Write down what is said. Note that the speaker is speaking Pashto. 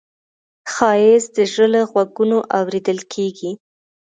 ښایست د زړه له غوږونو اورېدل کېږي